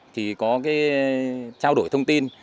thì có cái trao đổi thông tin